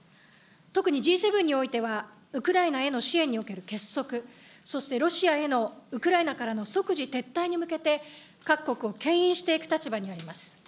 特にＧ７においては、ウクライナへの支援における結束、そしてロシアへのウクライナからの即時撤退に向けて、各国をけん引していく立場にあります。